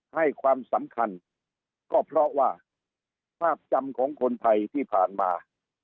ให้ความสำคัญก็เพราะว่าภาพจำของคนไทยที่ผ่านมา